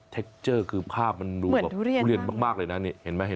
เทคเจอร์คือภาพมันดูแบบทุเรียนมากเลยนะนี่เห็นไหม